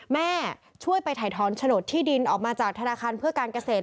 แม่ช่วยไปถ่ายถอนโฉนดที่ดินออกมาจากธนาคารเพื่อการเกษตร